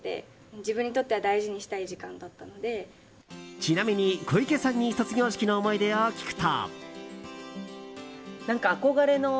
ちなみに、小池さんに卒業式の思い出を聞くと。